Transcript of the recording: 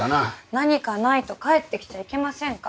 なにかないと帰ってきちゃいけませんか？